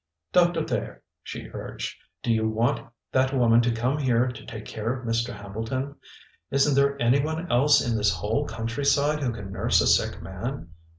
"Doctor Thayer," she urged, "do you want that woman to come here to take care of Mr. Hambleton? Isn't there any one else in this whole countryside who can nurse a sick man?